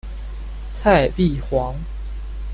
蔡璧煌。